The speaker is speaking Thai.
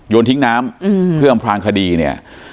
ทิ้งน้ำเพื่ออำพลางคดีเนี่ย